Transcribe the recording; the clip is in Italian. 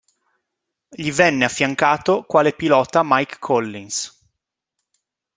Gli venne affiancato quale pilota Mike Collins.